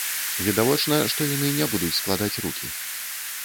Відавочна, што яны не будуць складаць рукі.